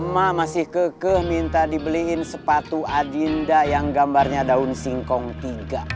mak masih kekeh minta dibeliin sepatu adinda yang gambarnya daun singkong tiga